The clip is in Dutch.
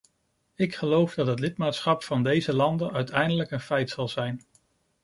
Ik geloof dat het lidmaatschap van deze landen uiteindelijk een feit zal zijn.